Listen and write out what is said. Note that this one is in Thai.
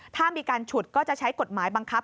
ถ้ามีการฉุดก็จะใช้กฎหมายบังคับ